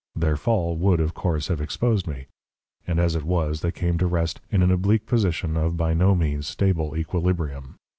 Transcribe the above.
Their fall would, of course, have exposed me, and as it was they came to rest in an oblique position of by no means stable equilibrium.